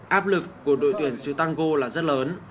áp lực của đội tuyển stango là rất lớn